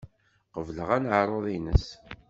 Qebleɣ aneɛruḍ-nnes.